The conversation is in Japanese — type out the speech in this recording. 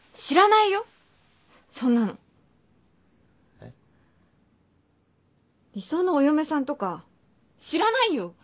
えっ？理想のお嫁さんとか知らないよ。